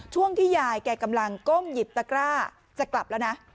ช่วงที่ยายแกกำลังก้มหยิบตะกร้าจะกลับแล้วนะ